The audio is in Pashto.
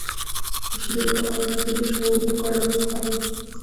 د شیدو د پاکوالي لپاره د جوش او اوبو ګډول وکاروئ